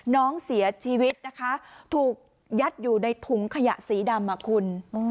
น้องเสียชีวิตนะคะถูกยัดอยู่ในถุงขยะสีดำอ่ะคุณ